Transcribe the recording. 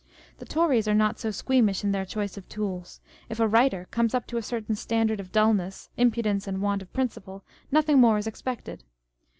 The Tories are not so squeamish in their choice of tools. If a writer comes up to a certain standard of dulness, impudence, and want of principle, nothing more is expected.